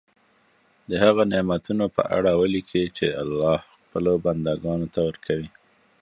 د هغه نعمتونو په اړه ولیکي چې الله خپلو بندګانو ته ورکوي.